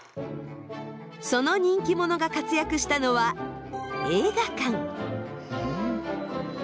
その人気者が活躍したのは映画館。